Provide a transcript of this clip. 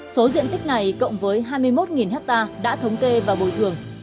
số diện tích này cộng với hai mươi một ha đã thống kê và bồi thường